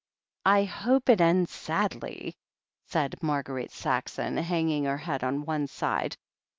"I hope it ends sadly," said Marguerite Saxon, hang ing her head on one side.